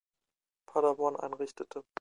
Paderborn einrichtete.